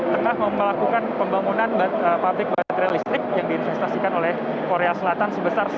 tetap memelakukan pembangunan pabrik baterai listrik yang diinvestasikan oleh korea selatan sebesar rp seratus juta